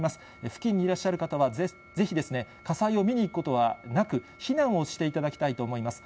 付近にいらっしゃる方はぜひ火災を見に行くことはなく、避難をしていただきたいと思います。